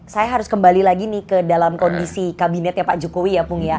saya harus kembali lagi nih ke dalam kondisi kabinetnya pak jokowi ya pung ya